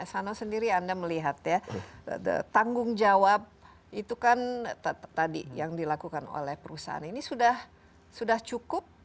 sano sendiri anda melihat ya tanggung jawab itu kan tadi yang dilakukan oleh perusahaan ini sudah cukup